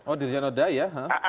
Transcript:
oh dirjen oda ya